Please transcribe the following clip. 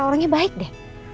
orangnya baik deh